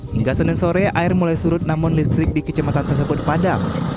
hingga senin sore air mulai surut namun listrik di kecamatan tersebut padam